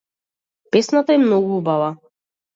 Песната е многу убава.